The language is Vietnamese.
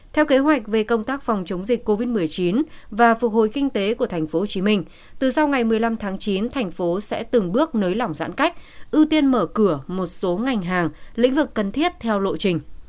theo kế hoạch về công tác phòng chống dịch covid một mươi chín và phục hồi kinh tế của tp hcm từ sau ngày một mươi năm tháng chín thành phố sẽ từng bước nới lỏng giãn cách ưu tiên mở cửa một số ngành hàng lĩnh vực cần thiết theo lộ trình